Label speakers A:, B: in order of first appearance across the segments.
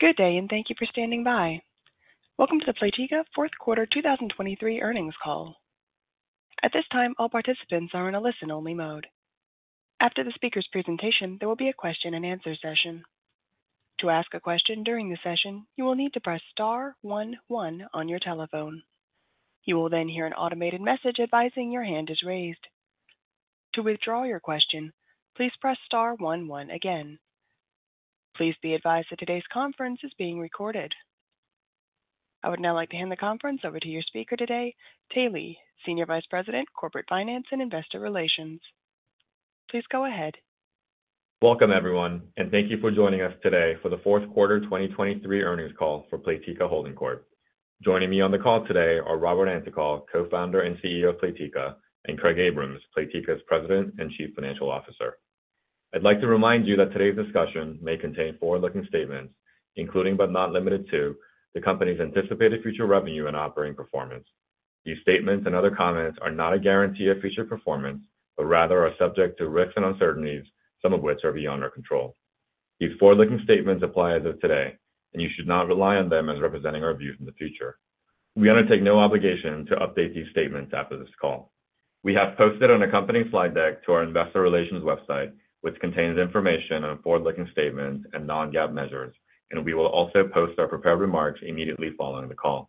A: Good day and thank you for standing by. Welcome to the Playtika Fourth Quarter 2023 Earnings Call. At this time, all participants are in a listen-only mode. After the speaker's presentation, there will be a question-and-answer session. To ask a question during the session, you will need to press star one one on your telephone. You will then hear an automated message advising your hand is raised. To withdraw your question, please press star one one again. Please be advised that today's conference is being recorded. I would now like to hand the conference over to your speaker today, Tae Lee, Senior Vice President, Corporate Finance and Investor Relations. Please go ahead.
B: Welcome, everyone, and thank you for joining us today for the fourth quarter 2023 earnings call for Playtika Holding Corp. Joining me on the call today are Robert Antokol, Co-founder and CEO of Playtika, and Craig Abrahams, Playtika's President and Chief Financial Officer. I'd like to remind you that today's discussion may contain forward-looking statements, including but not limited to, the company's anticipated future revenue and operating performance. These statements and other comments are not a guarantee of future performance, but rather are subject to risks and uncertainties, some of which are beyond our control. These forward-looking statements apply as of today, and you should not rely on them as representing our views in the future. We undertake no obligation to update these statements after this call. We have posted an accompanying slide deck to our Investor Relations website, which contains information on forward-looking statements and non-GAAP measures, and we will also post our prepared remarks immediately following the call.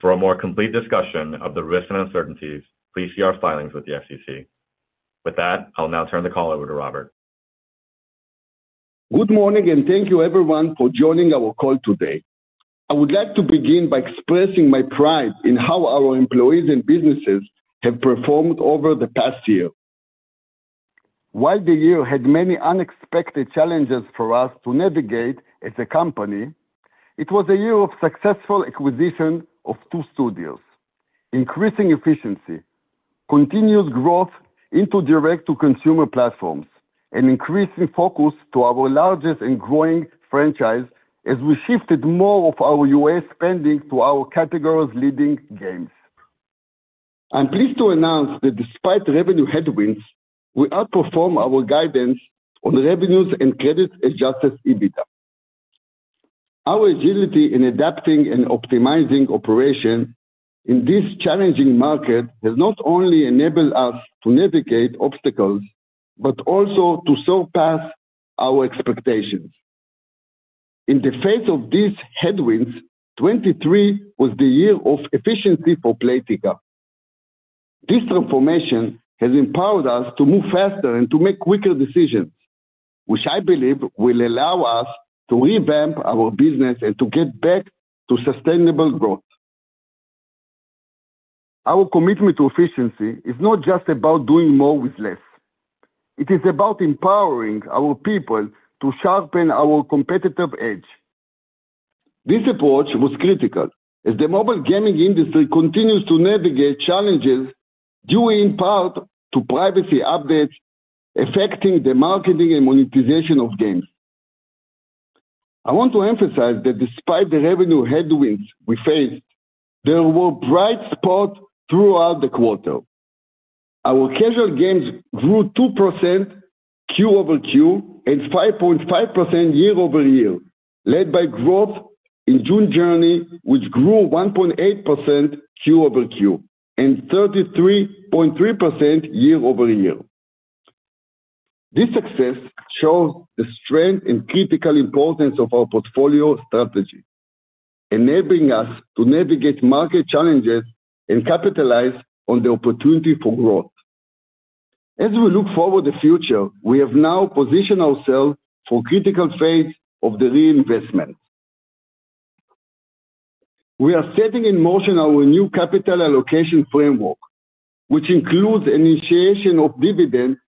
B: For a more complete discussion of the risks and uncertainties, please see our filings with the SEC. With that, I'll now turn the call over to Robert.
C: Good morning and thank you, everyone, for joining our call today. I would like to begin by expressing my pride in how our employees and businesses have performed over the past year. While the year had many unexpected challenges for us to navigate as a company, it was a year of successful acquisition of two studios, increasing efficiency, continuous growth into direct-to-consumer platforms, and increasing focus to our largest and growing franchise as we shifted more of our U.S. spending to our categories-leading games. I'm pleased to announce that despite revenue headwinds, we outperform our guidance on revenues and Credit Adjusted EBITDA. Our agility in adapting and optimizing operations in this challenging market has not only enabled us to navigate obstacles but also to surpass our expectations. In the face of these headwinds, 2023 was the year of efficiency for Playtika. This transformation has empowered us to move faster and to make quicker decisions, which I believe will allow us to revamp our business and to get back to sustainable growth. Our commitment to efficiency is not just about doing more with less. It is about empowering our people to sharpen our competitive edge. This approach was critical as the mobile gaming industry continues to navigate challenges due, in part, to privacy updates affecting the marketing and monetization of games. I want to emphasize that despite the revenue headwinds we faced, there were bright spots throughout the quarter. Our casual games grew 2% Q-over-Q and 5.5% year-over-year, led by growth in June's Journey, which grew 1.8% Q-over-Q and 33.3% year-over-year. This success shows the strength and critical importance of our portfolio strategy, enabling us to navigate market challenges and capitalize on the opportunity for growth. As we look forward to the future, we have now positioned ourselves for critical phase of the reinvestment. We are setting in motion our new capital allocation framework, which includes initiation of dividends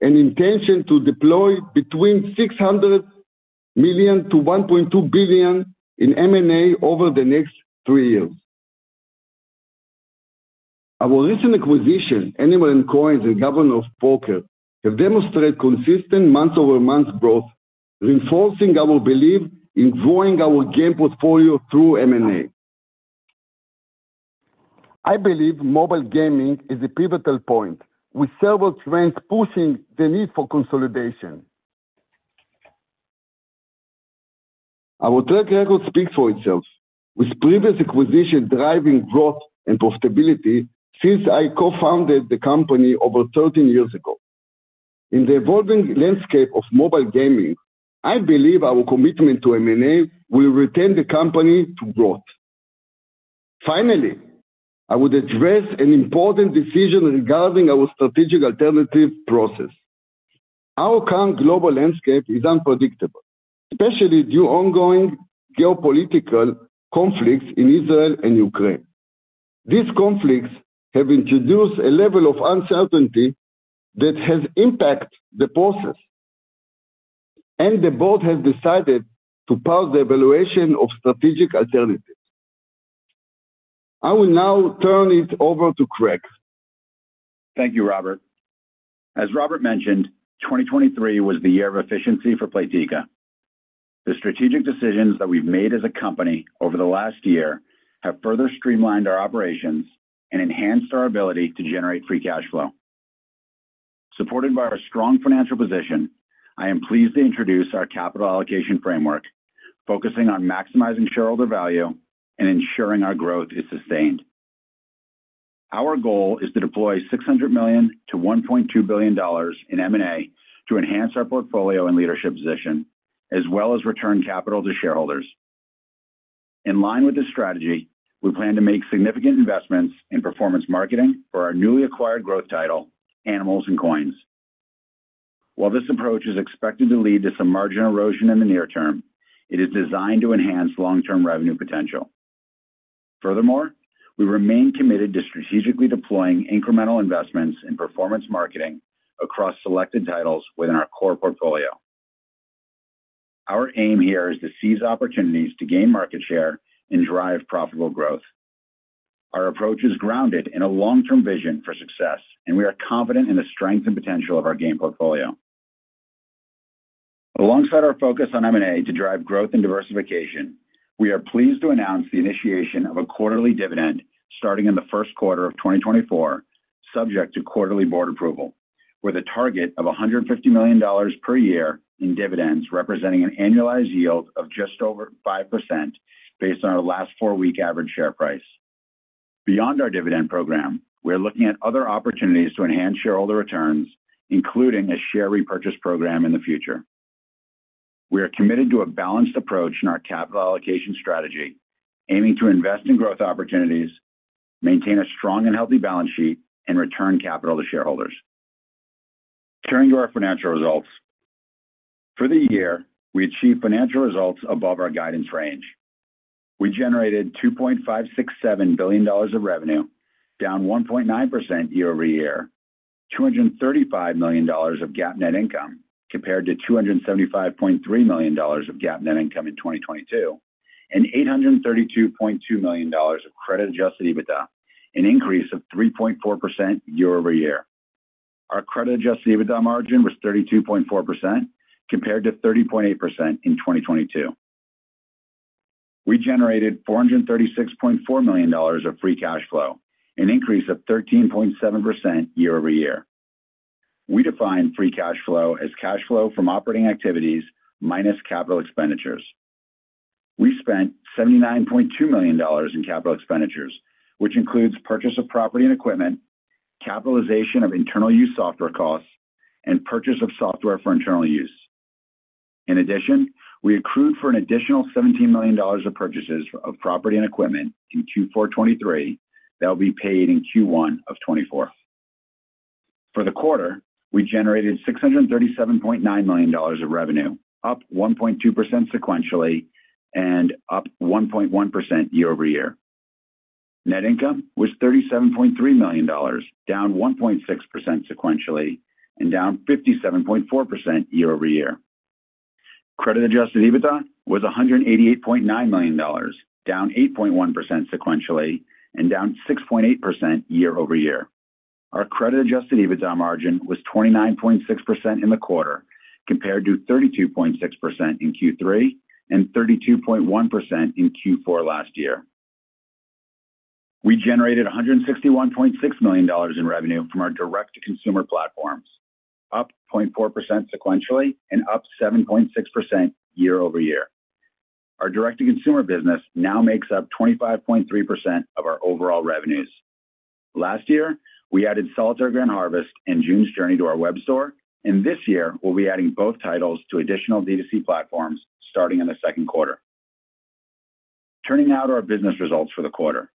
C: and intention to deploy between $600 million-$1.2 billion in M&A over the next three years. Our recent acquisition, Animals & Coins and Governor of Poker, have demonstrated consistent month-over-month growth, reinforcing our belief in growing our game portfolio through M&A. I believe mobile gaming is a pivotal point with several trends pushing the need for consolidation. Our track record speaks for itself, with previous acquisitions driving growth and profitability since I co-founded the company over 13 years ago. In the evolving landscape of mobile gaming, I believe our commitment to M&A will retain the company to growth. Finally, I would address an important decision regarding our strategic alternative process. Our current global landscape is unpredictable, especially due to ongoing geopolitical conflicts in Israel and Ukraine. These conflicts have introduced a level of uncertainty that has impacted the process, and the board has decided to pause the evaluation of strategic alternatives. I will now turn it over to Craig.
D: Thank you, Robert. As Robert mentioned, 2023 was the year of efficiency for Playtika. The strategic decisions that we've made as a company over the last year have further streamlined our operations and enhanced our ability to generate free cash flow. Supported by our strong financial position, I am pleased to introduce our capital allocation framework, focusing on maximizing shareholder value and ensuring our growth is sustained. Our goal is to deploy $600 million-$1.2 billion in M&A to enhance our portfolio and leadership position, as well as return capital to shareholders. In line with this strategy, we plan to make significant investments in performance marketing for our newly acquired growth title, Animals & Coins. While this approach is expected to lead to some margin erosion in the near term, it is designed to enhance long-term revenue potential. Furthermore, we remain committed to strategically deploying incremental investments in performance marketing across selected titles within our core portfolio. Our aim here is to seize opportunities to gain market share and drive profitable growth. Our approach is grounded in a long-term vision for success, and we are confident in the strength and potential of our game portfolio. Alongside our focus on M&A to drive growth and diversification, we are pleased to announce the initiation of a quarterly dividend starting in the first quarter of 2024, subject to quarterly board approval, with a target of $150 million per year in dividends representing an annualized yield of just over 5% based on our last four-week average share price. Beyond our dividend program, we are looking at other opportunities to enhance shareholder returns, including a share repurchase program in the future. We are committed to a balanced approach in our capital allocation strategy, aiming to invest in growth opportunities, maintain a strong and healthy balance sheet, and return capital to shareholders. Turning to our financial results. For the year, we achieved financial results above our guidance range. We generated $2.567 billion of revenue, down 1.9% year-over-year, $235 million of GAAP net income compared to $275.3 million of GAAP net income in 2022, and $832.2 million of Credit Adjusted EBITDA, an increase of 3.4% year-over-year. Our Credit Adjusted EBITDA margin was 32.4% compared to 30.8% in 2022. We generated $436.4 million of free cash flow, an increase of 13.7% year-over-year. We define free cash flow as cash flow from operating activities minus capital expenditures. We spent $79.2 million in capital expenditures, which includes purchase of property and equipment, capitalization of internal use software costs, and purchase of software for internal use. In addition, we accrued for an additional $17 million of purchases of property and equipment in Q4 2023 that will be paid in Q1 of 2024. For the quarter, we generated $637.9 million of revenue, up 1.2% sequentially and up 1.1% year-over-year. Net income was $37.3 million, down 1.6% sequentially and down 57.4% year-over-year. Credit Adjusted EBITDA was $188.9 million, down 8.1% sequentially and down 6.8% year-over-year. Our Credit Adjusted EBITDA margin was 29.6% in the quarter compared to 32.6% in Q3 and 32.1% in Q4 last year. We generated $161.6 million in revenue from our direct-to-consumer platforms, up 0.4% sequentially and up 7.6% year-over-year. Our direct-to-consumer business now makes up 25.3% of our overall revenues. Last year, we added Solitaire Grand Harvest and June's Journey to our web store, and this year we'll be adding both titles to additional DTC platforms starting in the second quarter. Turning now to our business results for the quarter.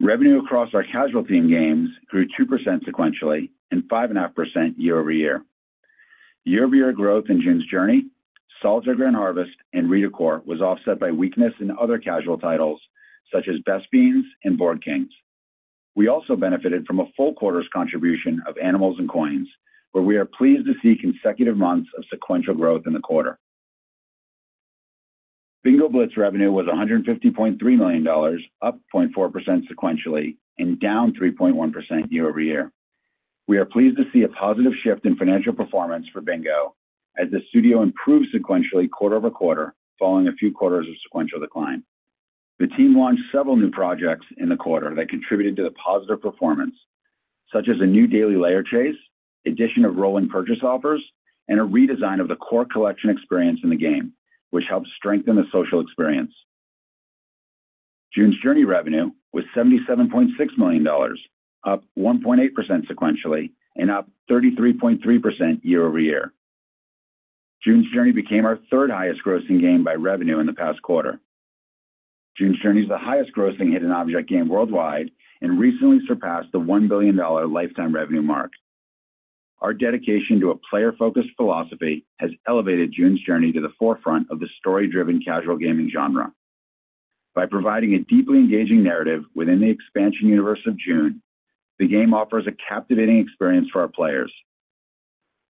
D: Revenue across our casual-themed games grew 2% sequentially and 5.5% year-over-year. Year-over-year growth in June's Journey, Solitaire Grand Harvest, and Redecor was offset by weakness in other casual titles such as Best Fiends and Board Kings. We also benefited from a full quarter's contribution of Animals & Coins, where we are pleased to see consecutive months of sequential growth in the quarter. Bingo Blitz revenue was $150.3 million, up 0.4% sequentially and down 3.1% year-over-year. We are pleased to see a positive shift in financial performance for Bingo as the studio improved sequentially quarter-over-quarter following a few quarters of sequential decline. The team launched several new projects in the quarter that contributed to the positive performance, such as a new daily layer chase, addition of rolling purchase offers, and a redesign of the core collection experience in the game, which helped strengthen the social experience. June's Journey revenue was $77.6 million, up 1.8% sequentially and up 33.3% year-over-year. June's Journey became our third-highest grossing game by revenue in the past quarter. June's Journey is the highest-grossing hidden object game worldwide and recently surpassed the $1 billion lifetime revenue mark. Our dedication to a player-focused philosophy has elevated June's Journey to the forefront of the story-driven casual gaming genre. By providing a deeply engaging narrative within the expansion universe of June's Journey, the game offers a captivating experience for our players.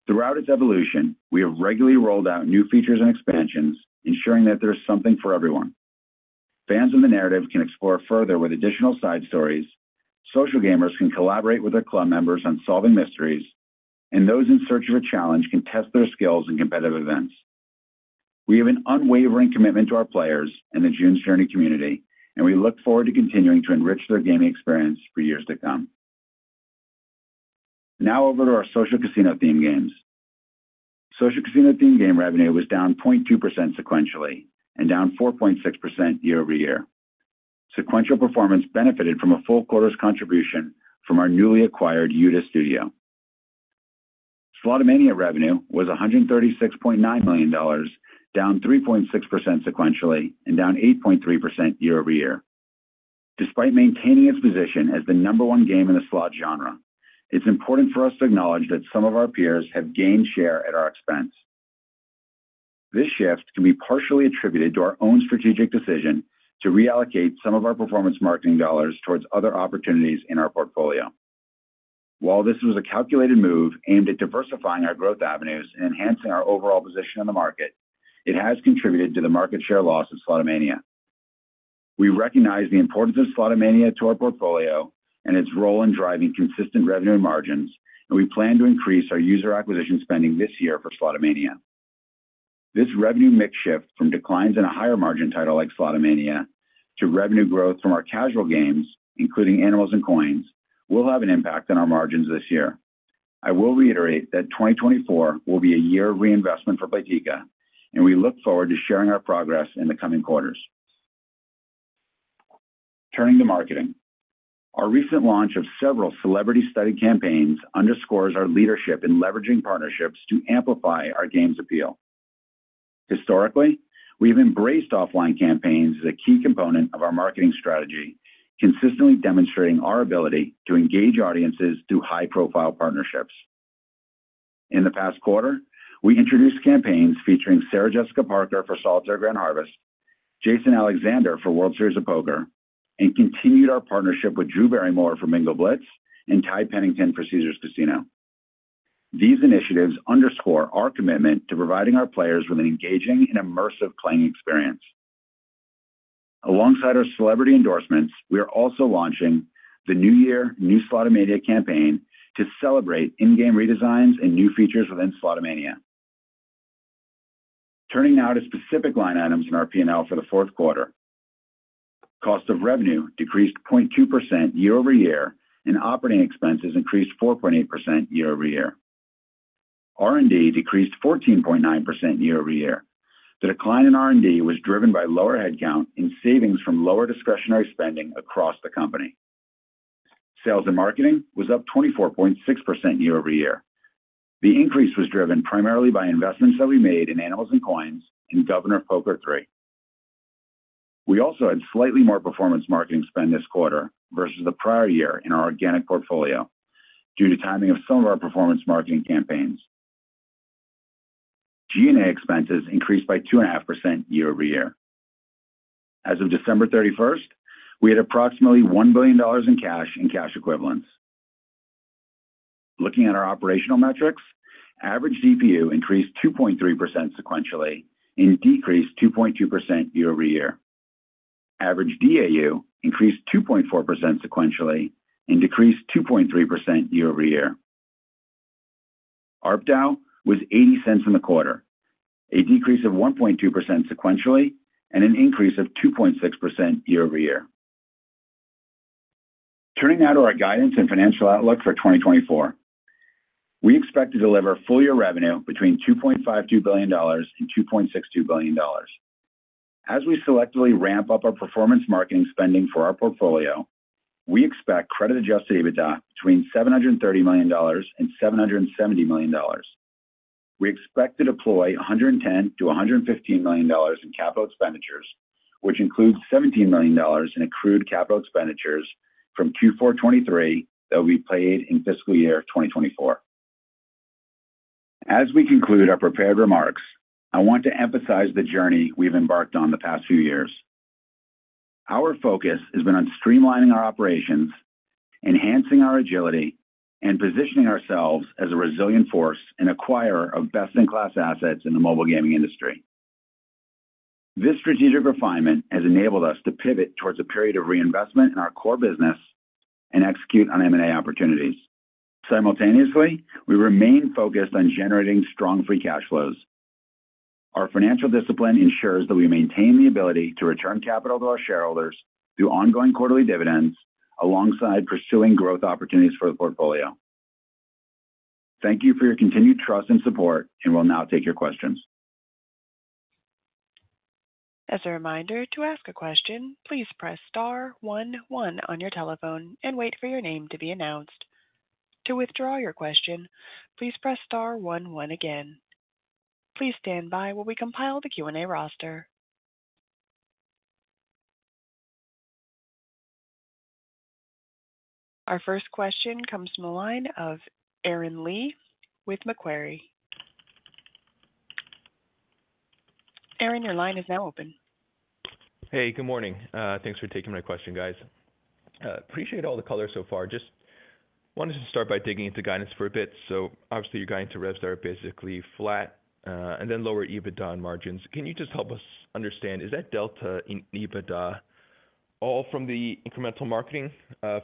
D: Throughout its evolution, we have regularly rolled out new features and expansions, ensuring that there is something for everyone. Fans of the narrative can explore further with additional side stories, social gamers can collaborate with their club members on solving mysteries, and those in search of a challenge can test their skills in competitive events. We have an unwavering commitment to our players and the June's Journey community, and we look forward to continuing to enrich their gaming experience for years to come. Now over to our social casino-themed games. Social casino-themed game revenue was down 0.2% sequentially and down 4.6% year-over-year. Sequential performance benefited from a full quarter's contribution from our newly acquired Youda studio. Slotomania revenue was $136.9 million, down 3.6% sequentially and down 8.3% year-over-year. Despite maintaining its position as the number one game in the slot genre, it's important for us to acknowledge that some of our peers have gained share at our expense. This shift can be partially attributed to our own strategic decision to reallocate some of our performance marketing dollars towards other opportunities in our portfolio. While this was a calculated move aimed at diversifying our growth avenues and enhancing our overall position in the market, it has contributed to the market share loss of Slotomania. We recognize the importance of Slotomania to our portfolio and its role in driving consistent revenue and margins, and we plan to increase our user acquisition spending this year for Slotomania. This revenue mix shift from declines in a higher margin title like Slotomania to revenue growth from our casual games, including Animals & Coins, will have an impact on our margins this year. I will reiterate that 2024 will be a year of reinvestment for Playtika, and we look forward to sharing our progress in the coming quarters. Turning to marketing. Our recent launch of several celebrity-studded campaigns underscores our leadership in leveraging partnerships to amplify our game's appeal. Historically, we've embraced offline campaigns as a key component of our marketing strategy, consistently demonstrating our ability to engage audiences through high-profile partnerships. In the past quarter, we introduced campaigns featuring Sarah Jessica Parker for Solitaire Grand Harvest, Jason Alexander for World Series of Poker, and continued our partnership with Drew Barrymore for Bingo Blitz and Ty Pennington for Caesars Casino. These initiatives underscore our commitment to providing our players with an engaging and immersive playing experience. Alongside our celebrity endorsements, we are also launching the New Year New Slotomania campaign to celebrate in-game redesigns and new features within Slotomania. Turning now to specific line items in our P&L for the fourth quarter. Cost of revenue decreased 0.2% year-over-year, and operating expenses increased 4.8% year-over-year. R&D decreased 14.9% year-over-year. The decline in R&D was driven by lower headcount and savings from lower discretionary spending across the company. Sales and marketing was up 24.6% year-over-year. The increase was driven primarily by investments that we made in Animals & Coins and Governor of Poker 3. We also had slightly more performance marketing spend this quarter versus the prior year in our organic portfolio due to timing of some of our performance marketing campaigns. G&A expenses increased by 2.5% year-over-year. As of December 31st, we had approximately $1 billion in cash and cash equivalents. Looking at our operational metrics, average DPU increased 2.3% sequentially and decreased 2.2% year-over-year. Average DAU increased 2.4% sequentially and decreased 2.3% year-over-year. ARPDAU was $0.80 in the quarter, a decrease of 1.2% sequentially, and an increase of 2.6% year-over-year. Turning now to our guidance and financial outlook for 2024. We expect to deliver full-year revenue between $2.52 billion and $2.62 billion. As we selectively ramp up our performance marketing spending for our portfolio, we expect Credit Adjusted EBITDA between $730 million and $770 million. We expect to deploy $110 million-$115 million in capital expenditures, which includes $17 million in accrued capital expenditures from Q4 2023 that will be paid in fiscal year 2024. As we conclude our prepared remarks, I want to emphasize the journey we've embarked on the past few years. Our focus has been on streamlining our operations, enhancing our agility, and positioning ourselves as a resilient force and acquirer of best-in-class assets in the mobile gaming industry. This strategic refinement has enabled us to pivot towards a period of reinvestment in our core business and execute on M&A opportunities. Simultaneously, we remain focused on generating strong free cash flows. Our financial discipline ensures that we maintain the ability to return capital to our shareholders through ongoing quarterly dividends alongside pursuing growth opportunities for the portfolio. Thank you for your continued trust and support, and we'll now take your questions.
A: As a reminder, to ask a question, please press star one one on your telephone and wait for your name to be announced. To withdraw your question, please press star one one again. Please stand by while we compile the Q&A roster. Our first question comes from the line of Aaron Lee with Macquarie. Aaron, your line is now open. Hey, good morning. Thanks for taking my question, guys. Appreciate all the color so far. Just wanted to start by digging into guidance for a bit. So obviously, your guidance to revs are basically flat and then lower EBITDA on margins. Can you just help us understand, is that delta in EBITDA all from the incremental marketing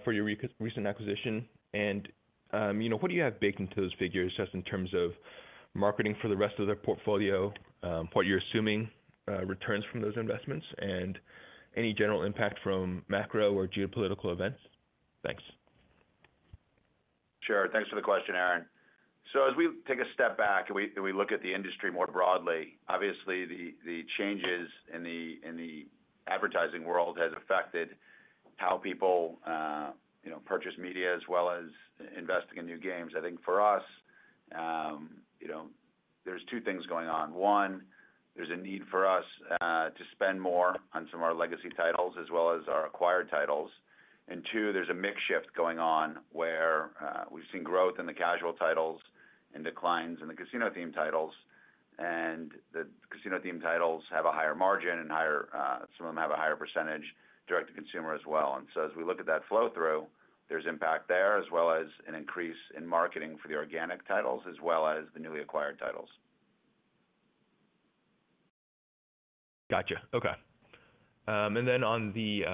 A: for your recent acquisition? And what do you have baked into those figures just in terms of marketing for the rest of the portfolio, what you're assuming returns from those investments, and any general impact from macro or geopolitical events? Thanks.
D: Sure. Thanks for the question, Aaron. So as we take a step back and we look at the industry more broadly, obviously, the changes in the advertising world have affected how people purchase media as well as investing in new games. I think for us, there's two things going on. One, there's a need for us to spend more on some of our legacy titles as well as our acquired titles. And two, there's a mix shift going on where we've seen growth in the casual titles and declines in the casino-themed titles. And the casino-themed titles have a higher margin, and some of them have a higher percentage direct-to-consumer as well. And so as we look at that flow through, there's impact there as well as an increase in marketing for the organic titles as well as the newly acquired titles.
E: Gotcha. Okay. And then on the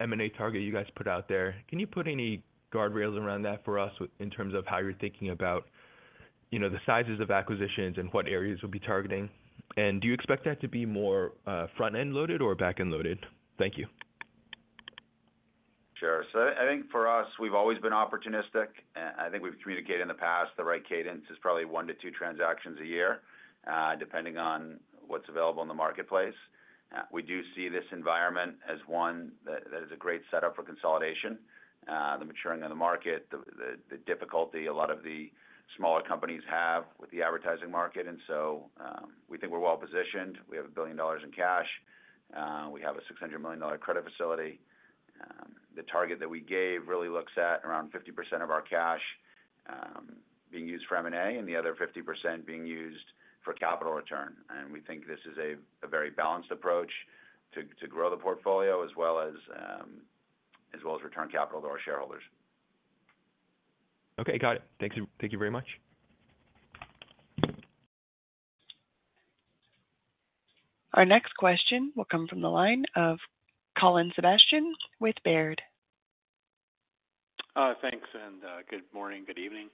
E: M&A target you guys put out there, can you put any guardrails around that for us in terms of how you're thinking about the sizes of acquisitions and what areas we'll be targeting? And do you expect that to be more front-end loaded or back-end loaded? Thank you.
D: Sure. So I think for us, we've always been opportunistic. I think we've communicated in the past the right cadence is probably one to two transactions a year depending on what's available in the marketplace. We do see this environment as one that is a great setup for consolidation, the maturing of the market, the difficulty a lot of the smaller companies have with the advertising market. And so we think we're well positioned. We have $1 billion in cash. We have a $600 million credit facility. The target that we gave really looks at around 50% of our cash being used for M&A and the other 50% being used for capital return. And we think this is a very balanced approach to grow the portfolio as well as return capital to our shareholders.
E: Okay. Got it. Thank you very much.
A: Our next question will come from the line of Colin Sebastian with Baird.
F: Thanks, and good morning, good evening.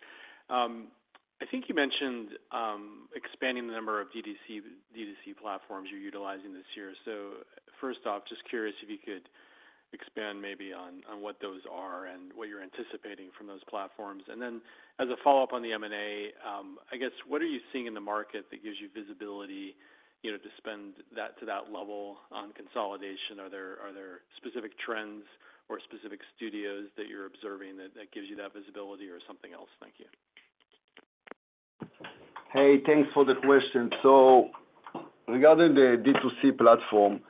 F: I think you mentioned expanding the number of DTC platforms you're utilizing this year. So first off, just curious if you could expand maybe on what those are and what you're anticipating from those platforms. And then as a follow-up on the M&A, I guess, what are you seeing in the market that gives you visibility to spend to that level on consolidation? Are there specific trends or specific studios that you're observing that gives you that visibility or something else? Thank you.
C: Hey, thanks for the question. So regarding the DTC platform,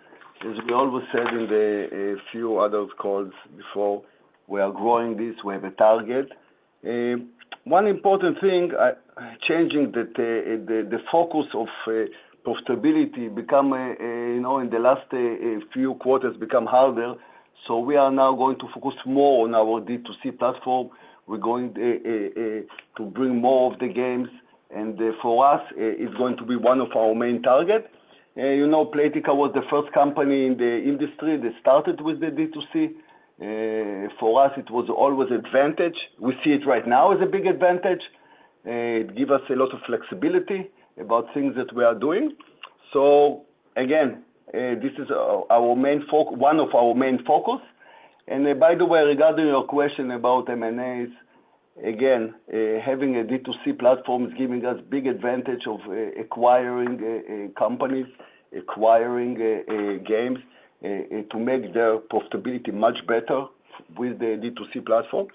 C: as we always said in a few other calls before, we are growing this. We have a target. One important thing, changing the focus of profitability in the last few quarters has become harder. So we are now going to focus more on our DTC platform. We're going to bring more of the games. And for us, it's going to be one of our main targets. Playtika was the first company in the industry that started with the DTC. For us, it was always an advantage. We see it right now as a big advantage. It gives us a lot of flexibility about things that we are doing. So again, this is one of our main focus. By the way, regarding your question about M&As, again, having a DTC platform is giving us a big advantage of acquiring companies, acquiring games to make their profitability much better with the DTC platform.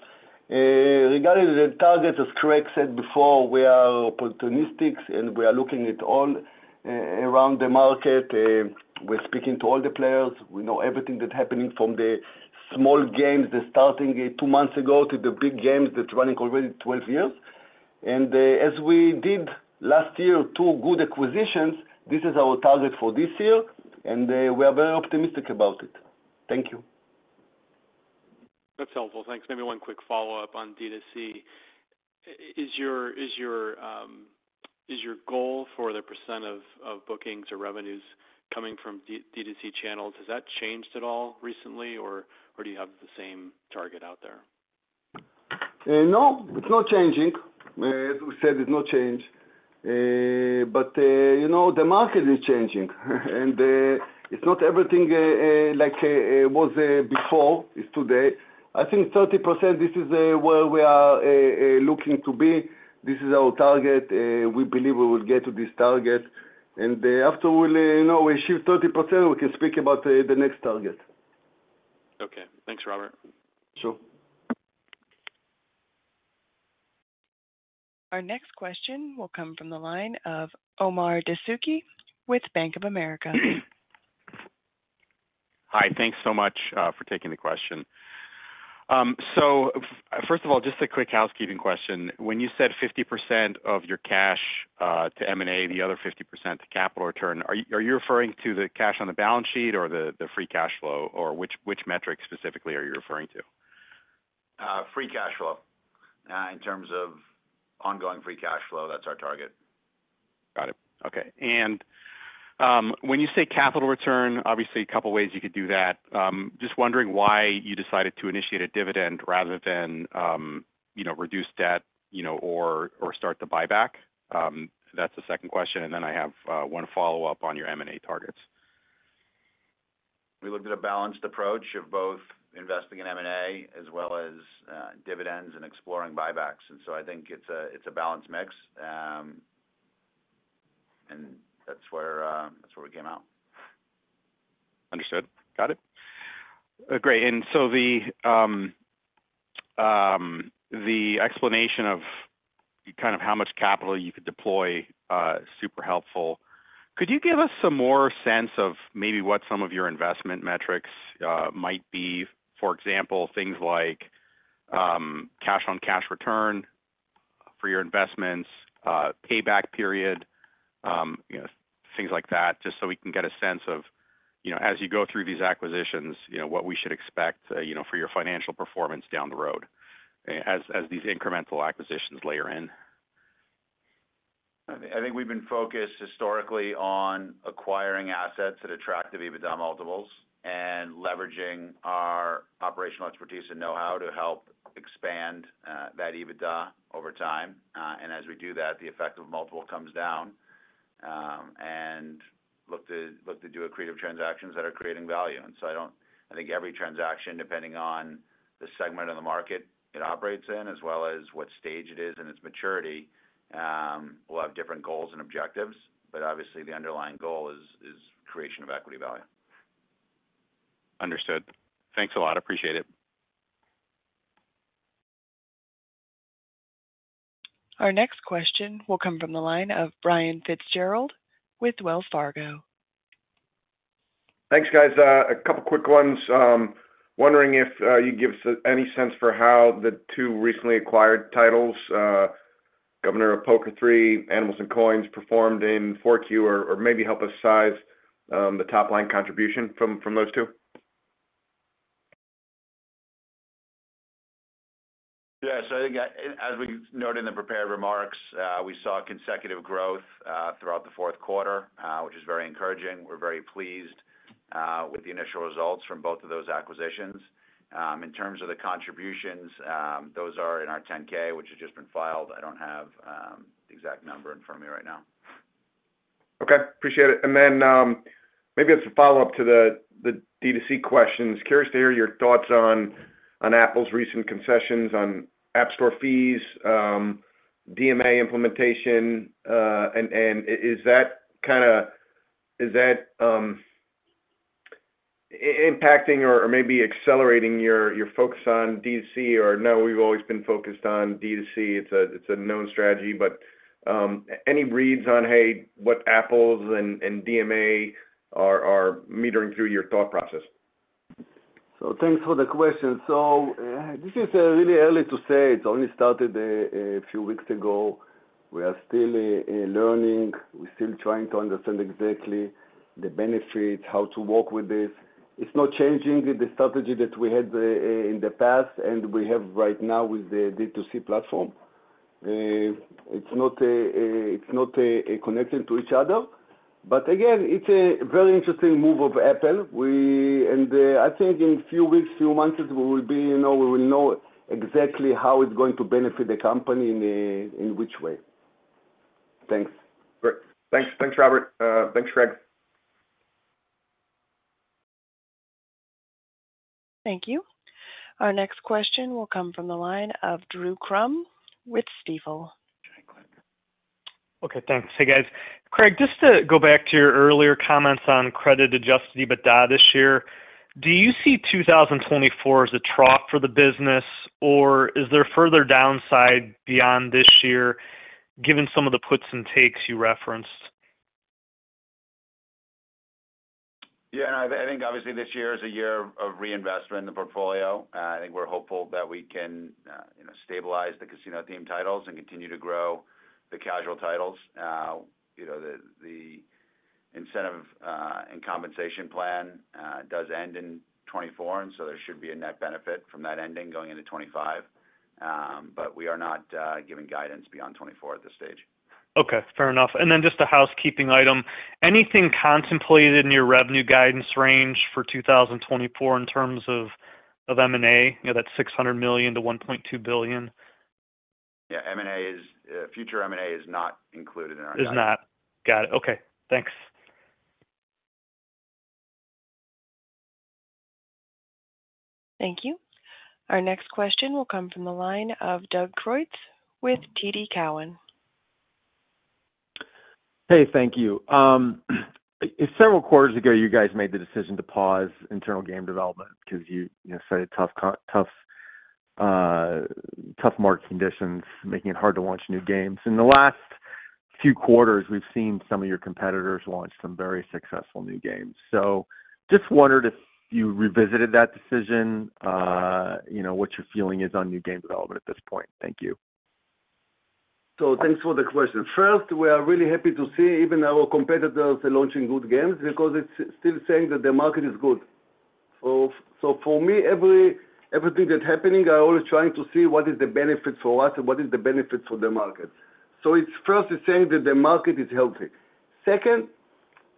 C: Regarding the targets, as Craig said before, we are opportunistic, and we are looking at all around the market. We're speaking to all the players. We know everything that's happening from the small games that are starting two months ago to the big games that are running already 12 years. And as we did last year, two good acquisitions, this is our target for this year, and we are very optimistic about it. Thank you.
F: That's helpful. Thanks. Maybe one quick follow-up on DTC. Is your goal for the percent of bookings or revenues coming from DTC channels, has that changed at all recently, or do you have the same target out there?
C: No, it's not changing. As we said, it's not changed. But the market is changing, and it's not everything like it was before. It's today. I think 30%, this is where we are looking to be. This is our target. We believe we will get to this target. And after we achieve 30%, we can speak about the next target.
F: Okay. Thanks, Robert.
C: Sure.
A: Our next question will come from the line of Omar Dessouky with Bank of America.
G: Hi. Thanks so much for taking the question. So first of all, just a quick housekeeping question. When you said 50% of your cash to M&A, the other 50% to capital return, are you referring to the cash on the balance sheet or the Free Cash Flow, or which metrics specifically are you referring to?
D: Free Cash Flow. In terms of ongoing Free Cash Flow, that's our target.
G: Got it. Okay. And when you say capital return, obviously, a couple of ways you could do that. Just wondering why you decided to initiate a dividend rather than reduce debt or start the buyback. That's the second question. And then I have one follow-up on your M&A targets.
D: We looked at a balanced approach of both investing in M&A as well as dividends and exploring buybacks. And so I think it's a balanced mix, and that's where we came out.
G: Understood. Got it. Great. And so the explanation of kind of how much capital you could deploy is super helpful. Could you give us some more sense of maybe what some of your investment metrics might be? For example, things like cash-on-cash return for your investments, payback period, things like that, just so we can get a sense of, as you go through these acquisitions, what we should expect for your financial performance down the road as these incremental acquisitions layer in.
D: I think we've been focused historically on acquiring assets that attract to EBITDA multiples and leveraging our operational expertise and know-how to help expand that EBITDA over time. As we do that, the effective multiple comes down and look to do accretive transactions that are creating value. So I think every transaction, depending on the segment of the market it operates in as well as what stage it is and its maturity, will have different goals and objectives. But obviously, the underlying goal is creation of equity value.
G: Understood. Thanks a lot. Appreciate it.
A: Our next question will come from the line of Brian Fitzgerald with Wells Fargo.
H: Thanks, guys. A couple of quick ones. Wondering if you give us any sense for how the two recently acquired titles, Governor of Poker 3, Animals & Coins, performed in 4Q or maybe help us size the top-line contribution from those two?
D: Yes. I think, as we noted in the prepared remarks, we saw consecutive growth throughout the fourth quarter, which is very encouraging. We're very pleased with the initial results from both of those acquisitions. In terms of the contributions, those are in our 10-K, which has just been filed. I don't have the exact number in front of me right now.
H: Okay. Appreciate it. And then maybe as a follow-up to the DTC questions, curious to hear your thoughts on Apple's recent concessions on App Store fees, DMA implementation. And is that kind of impacting or maybe accelerating your focus on DTC? Or no, we've always been focused on DTC. It's a known strategy. But any reads on, hey, what Apple's and DMA are filtering through your thought process?
C: Thanks for the question. This is really early to say. It only started a few weeks ago. We are still learning. We're still trying to understand exactly the benefits, how to work with this. It's not changing the strategy that we had in the past and we have right now with the DTC platform. It's not connected to each other. But again, it's a very interesting move of Apple. And I think in a few weeks, a few months, we will know exactly how it's going to benefit the company in which way. Thanks.
H: Great. Thanks, Robert. Thanks, Craig.
A: Thank you. Our next question will come from the line of Drew Crum with Stifel.
I: Okay. Thanks. Hey, guys. Craig, just to go back to your earlier comments on Credit Adjusted EBITDA this year, do you see 2024 as a trough for the business, or is there further downside beyond this year given some of the puts and takes you referenced?
D: Yeah. I think, obviously, this year is a year of reinvestment in the portfolio. I think we're hopeful that we can stabilize the casino-themed titles and continue to grow the casual titles. The incentive and compensation plan does end in 2024, and so there should be a net benefit from that ending going into 2025. But we are not giving guidance beyond 2024 at this stage.
I: Okay. Fair enough. And then just a housekeeping item, anything contemplated in your revenue guidance range for 2024 in terms of M&A, that $600 million-$1.2 billion?
D: Yeah. Future M&A is not included in our guidance.
I: Is not. Got it. Okay. Thanks.
A: Thank you. Our next question will come from the line of Doug Creutz with TD Cowen.
J: Hey, thank you. Several quarters ago, you guys made the decision to pause internal game development because you said tough market conditions, making it hard to launch new games. In the last few quarters, we've seen some of your competitors launch some very successful new games. So just wondered if you revisited that decision, what your feeling is on new game development at this point? Thank you.
C: Thanks for the question. First, we are really happy to see even our competitors launching good games because it's still saying that the market is good. For me, everything that's happening, I'm always trying to see what is the benefit for us and what is the benefit for the market. First, it's saying that the market is healthy. Second,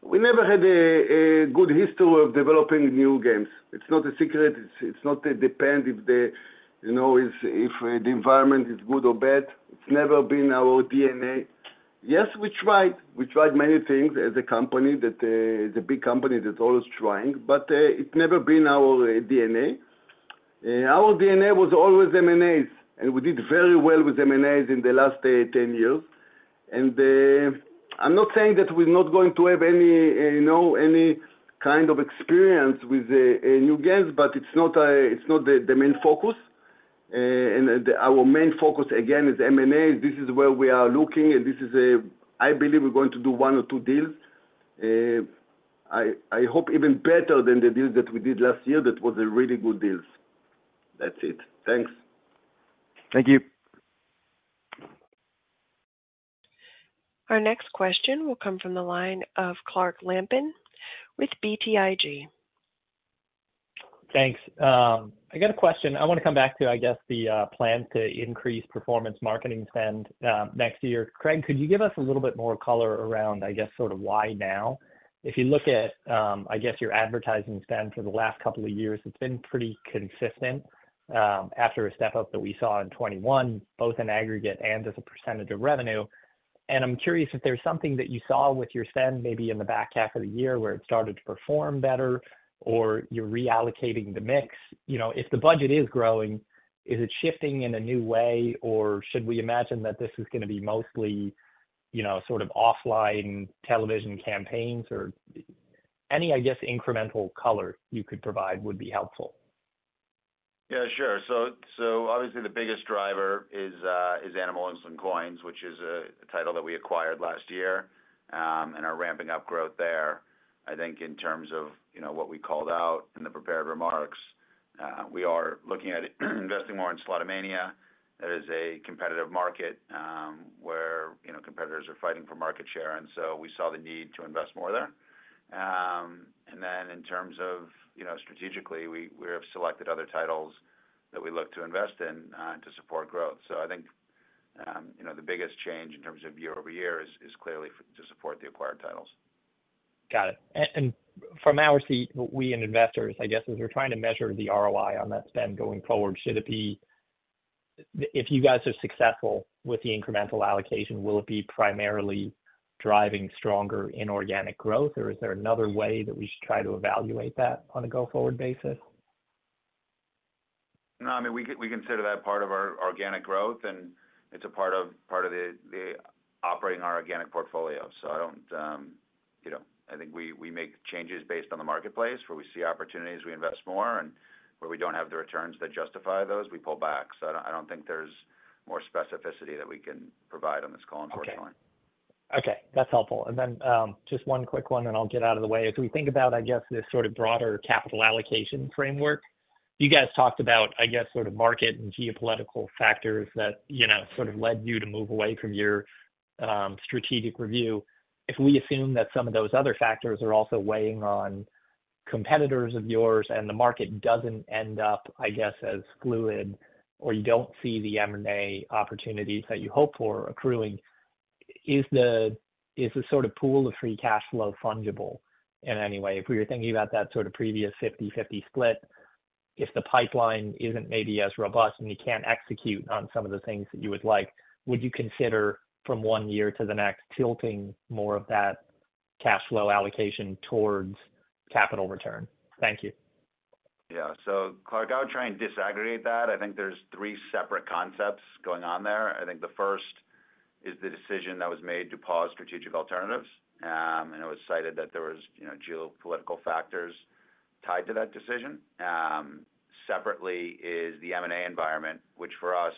C: we never had a good history of developing new games. It's not a secret. It's not dependent if the environment is good or bad. It's never been our DNA. Yes, we tried. We tried many things as a company, as a big company that's always trying, but it's never been our DNA. Our DNA was always M&As, and we did very well with M&As in the last 10 years. I'm not saying that we're not going to have any kind of experience with new games, but it's not the main focus. Our main focus, again, is M&As. This is where we are looking, and I believe we're going to do one or two deals. I hope even better than the deals that we did last year that were really good deals. That's it. Thanks.
J: Thank you.
A: Our next question will come from the line of Clark Lampen with BTIG.
K: Thanks. I got a question. I want to come back to, I guess, the plan to increase performance marketing spend next year. Craig, could you give us a little bit more color around, I guess, sort of why now? If you look at, I guess, your advertising spend for the last couple of years, it's been pretty consistent after a step-up that we saw in 2021, both in aggregate and as a percentage of revenue. And I'm curious if there's something that you saw with your spend maybe in the back half of the year where it started to perform better or you're reallocating the mix. If the budget is growing, is it shifting in a new way, or should we imagine that this is going to be mostly sort of offline television campaigns? Or any, I guess, incremental color you could provide would be helpful.
D: Yeah, sure. So obviously, the biggest driver is Animals & Coins, which is a title that we acquired last year and we're ramping up growth there. I think in terms of what we called out in the prepared remarks, we are looking at investing more in Slotomania. That is a competitive market where competitors are fighting for market share. So we saw the need to invest more there. Then in terms of strategically, we have selected other titles that we look to invest in to support growth. So I think the biggest change in terms of year-over-year is clearly to support the acquired titles.
K: Got it. From our seat, we as investors, I guess, as we're trying to measure the ROI on that spend going forward, should it be if you guys are successful with the incremental allocation, will it be primarily driving stronger inorganic growth, or is there another way that we should try to evaluate that on a go-forward basis?
D: No, I mean, we consider that part of our organic growth, and it's a part of operating our organic portfolio. So I don't think we make changes based on the marketplace. Where we see opportunities, we invest more. And where we don't have the returns that justify those, we pull back. So I don't think there's more specificity that we can provide on this call, unfortunately.
K: Okay. Okay. That's helpful. And then just one quick one, and I'll get out of the way. As we think about, I guess, this sort of broader capital allocation framework, you guys talked about, I guess, sort of market and geopolitical factors that sort of led you to move away from your strategic review. If we assume that some of those other factors are also weighing on competitors of yours and the market doesn't end up, I guess, as fluid or you don't see the M&A opportunities that you hope for accruing, is the sort of pool of free cash flow fungible in any way? If we were thinking about that sort of previous 50/50 split, if the pipeline isn't maybe as robust and you can't execute on some of the things that you would like, would you consider, from one year to the next, tilting more of that cash flow allocation towards capital return? Thank you.
D: Yeah. So Clark, I would try and disaggregate that. I think there's three separate concepts going on there. I think the first is the decision that was made to pause strategic alternatives, and it was cited that there were geopolitical factors tied to that decision. Separately is the M&A environment, which for us,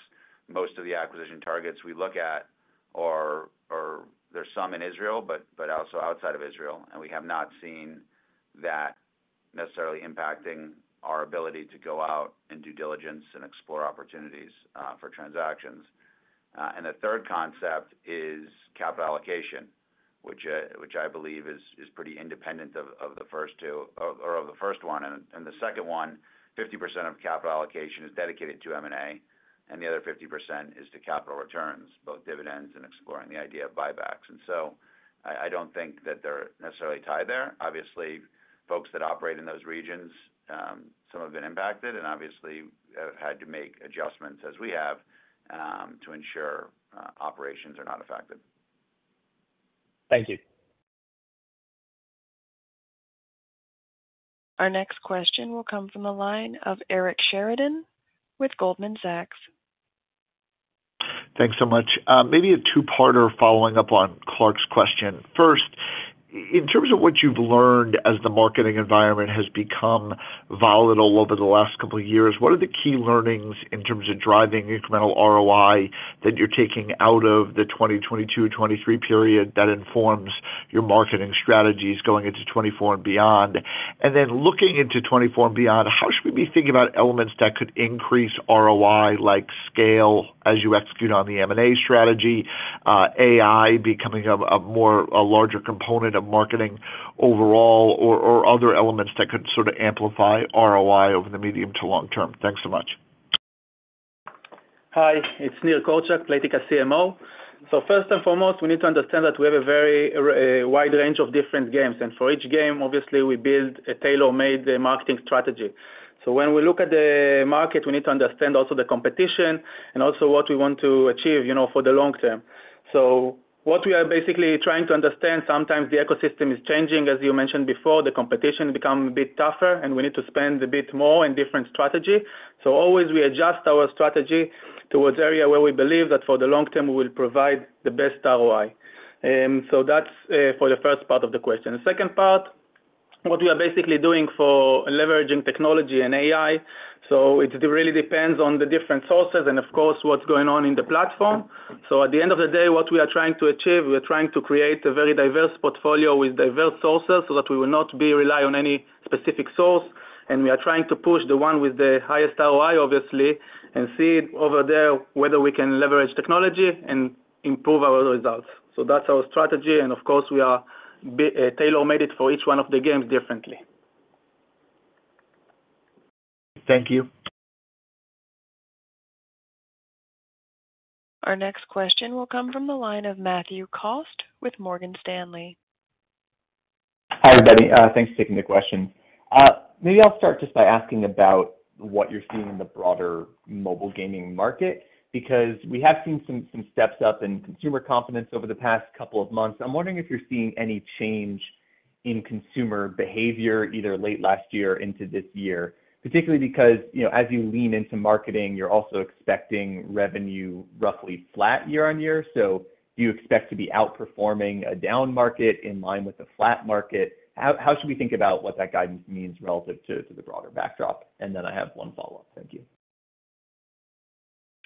D: most of the acquisition targets we look at are there's some in Israel, but also outside of Israel. And we have not seen that necessarily impacting our ability to go out and do diligence and explore opportunities for transactions. And the third concept is capital allocation, which I believe is pretty independent of the first two or of the first one. And the second one, 50% of capital allocation is dedicated to M&A, and the other 50% is to capital returns, both dividends and exploring the idea of buybacks. And so I don't think that they're necessarily tied there. Obviously, folks that operate in those regions, some have been impacted and obviously have had to make adjustments as we have to ensure operations are not affected.
K: Thank you.
A: Our next question will come from the line of Eric Sheridan with Goldman Sachs.
L: Thanks so much. Maybe a two-parter following up on Clark's question. First, in terms of what you've learned as the marketing environment has become volatile over the last couple of years, what are the key learnings in terms of driving incremental ROI that you're taking out of the 2022-23 period that informs your marketing strategies going into 2024 and beyond? And then looking into 2024 and beyond, how should we be thinking about elements that could increase ROI, like scale as you execute on the M&A strategy, AI becoming a larger component of marketing overall, or other elements that could sort of amplify ROI over the medium to long term? Thanks so much.
M: Hi. It's Nir Korczak, Playtika CMO. So first and foremost, we need to understand that we have a very wide range of different games. And for each game, obviously, we build a tailor-made marketing strategy. So when we look at the market, we need to understand also the competition and also what we want to achieve for the long term. So what we are basically trying to understand, sometimes the ecosystem is changing. As you mentioned before, the competition becomes a bit tougher, and we need to spend a bit more in different strategy. So always, we adjust our strategy towards the area where we believe that for the long term, we will provide the best ROI. So that's for the first part of the question. The second part, what we are basically doing for leveraging technology and AI. So it really depends on the different sources and, of course, what's going on in the platform. So at the end of the day, what we are trying to achieve, we are trying to create a very diverse portfolio with diverse sources so that we will not rely on any specific source. And we are trying to push the one with the highest ROI, obviously, and see over there whether we can leverage technology and improve our results. So that's our strategy. And of course, we are tailor-made it for each one of the games differently.
L: Thank you.
A: Our next question will come from the line of Matthew Cost with Morgan Stanley.
N: Hi everybody. Thanks for taking the question. Maybe I'll start just by asking about what you're seeing in the broader mobile gaming market because we have seen some steps up in consumer confidence over the past couple of months. I'm wondering if you're seeing any change in consumer behavior either late last year into this year, particularly because as you lean into marketing, you're also expecting revenue roughly flat year-on-year. So do you expect to be outperforming a down market in line with a flat market? How should we think about what that guidance means relative to the broader backdrop? And then I have one follow-up. Thank you.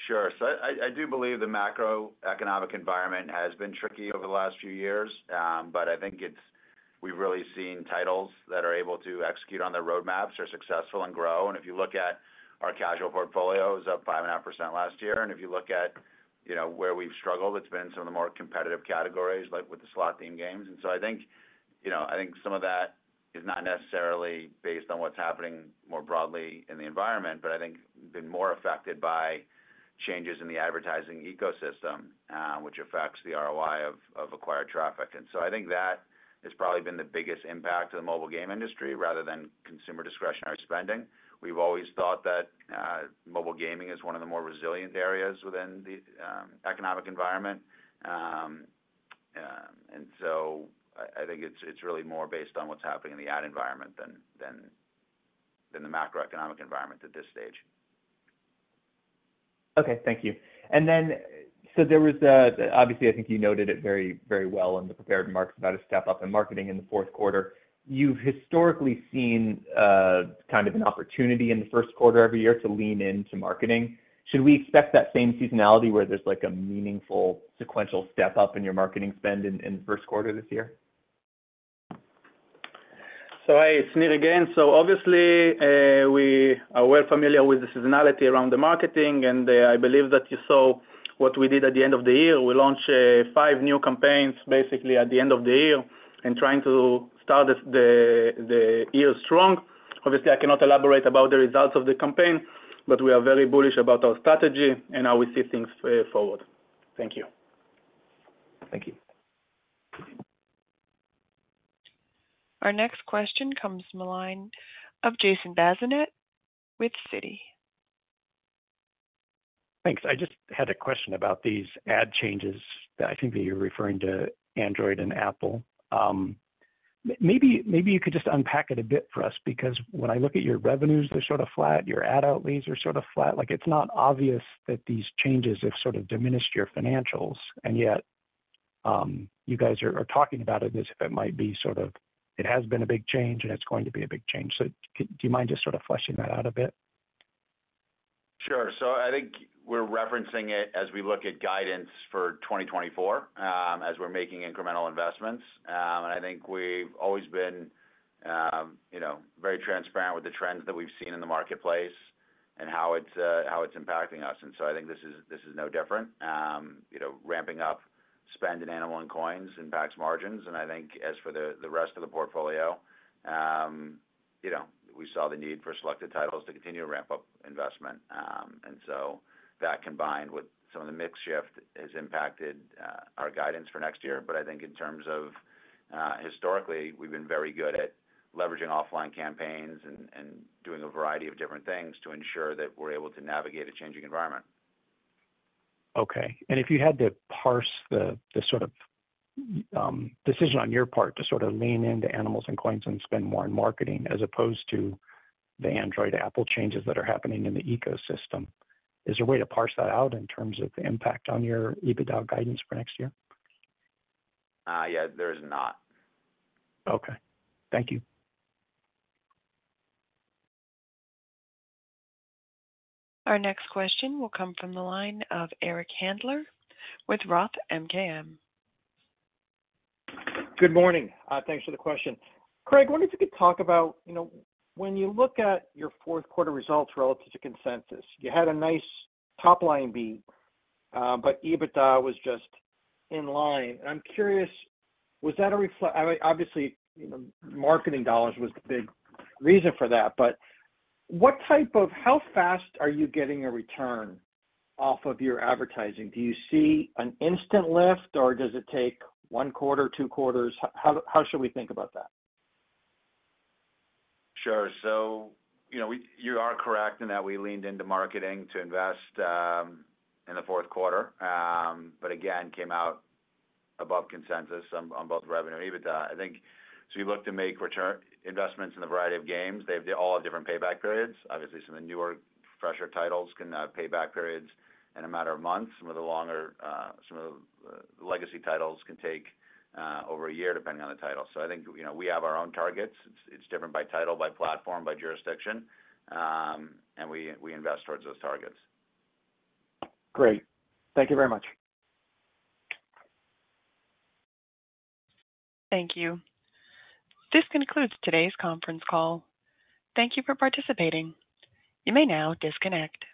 D: Sure. So I do believe the macroeconomic environment has been tricky over the last few years, but I think we've really seen titles that are able to execute on their roadmaps are successful and grow. And if you look at our casual portfolio, it was up 5.5% last year. And if you look at where we've struggled, it's been in some of the more competitive categories like with the slot-themed games. And so I think some of that is not necessarily based on what's happening more broadly in the environment, but I think been more affected by changes in the advertising ecosystem, which affects the ROI of acquired traffic. And so I think that has probably been the biggest impact to the mobile game industry rather than consumer discretionary spending. We've always thought that mobile gaming is one of the more resilient areas within the economic environment. I think it's really more based on what's happening in the ad environment than the macroeconomic environment at this stage.
N: Okay. Thank you. And then so there was obviously, I think you noted it very, very well in the prepared remarks about a step-up in marketing in the fourth quarter. You've historically seen kind of an opportunity in the first quarter every year to lean into marketing. Should we expect that same seasonality where there's a meaningful sequential step-up in your marketing spend in the first quarter this year?
M: It's Nir again. Obviously, we are well familiar with the seasonality around the marketing. I believe that you saw what we did at the end of the year. We launched five new campaigns basically at the end of the year and trying to start the year strong. Obviously, I cannot elaborate about the results of the campaign, but we are very bullish about our strategy and how we see things forward. Thank you.
N: Thank you.
A: Our next question comes from the line of Jason Bazinet with Citi.
O: Thanks. I just had a question about these ad changes that I think that you're referring to Android and Apple. Maybe you could just unpack it a bit for us because when I look at your revenues, they're sort of flat. Your ad outlays are sort of flat. It's not obvious that these changes have sort of diminished your financials. And yet, you guys are talking about it as if it might be sort of it has been a big change, and it's going to be a big change. So do you mind just sort of fleshing that out a bit?
D: Sure. So I think we're referencing it as we look at guidance for 2024 as we're making incremental investments. And I think we've always been very transparent with the trends that we've seen in the marketplace and how it's impacting us. And so I think this is no different. Ramping up spend in Animals & Coins impacts margins. And I think as for the rest of the portfolio, we saw the need for selected titles to continue to ramp up investment. And so that combined with some of the mix shift has impacted our guidance for next year. But I think in terms of historically, we've been very good at leveraging offline campaigns and doing a variety of different things to ensure that we're able to navigate a changing environment.
O: Okay. If you had to parse the sort of decision on your part to sort of lean into Animals & Coins and spend more on marketing as opposed to the Android-Apple changes that are happening in the ecosystem, is there a way to parse that out in terms of the impact on your EBITDA guidance for next year?
D: Yeah, there is not.
O: Okay. Thank you.
A: Our next question will come from the line of Eric Handler with Roth MKM.
P: Good morning. Thanks for the question. Craig, I wonder if you could talk about when you look at your fourth-quarter results relative to consensus, you had a nice top-line beat, but EBITDA was just in line. And I'm curious, was that obviously, marketing dollars was the big reason for that. But what type of how fast are you getting a return off of your advertising? Do you see an instant lift, or does it take one quarter, two quarters? How should we think about that?
D: Sure. So you are correct in that we leaned into marketing to invest in the fourth quarter, but again, came out above consensus on both revenue and EBITDA. So you look to make investments in a variety of games. They all have different payback periods. Obviously, some of the newer, fresher titles can have payback periods in a matter of months. Some of the legacy titles can take over a year depending on the title. So I think we have our own targets. It's different by title, by platform, by jurisdiction, and we invest towards those targets.
P: Great. Thank you very much.
A: Thank you. This concludes today's conference call. Thank you for participating. You may now disconnect.